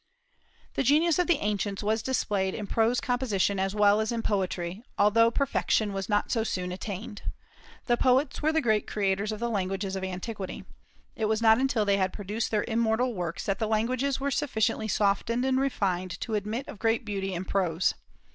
The genius of the ancients was displayed in prose composition as well as in poetry, although perfection was not so soon attained. The poets were the great creators of the languages of antiquity. It was not until they had produced their immortal works that the languages were sufficiently softened and refined to admit of great beauty in prose.